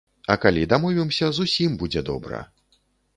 А калі дамовімся, зусім будзе добра.